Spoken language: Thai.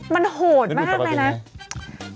มันโหดมากไหมละ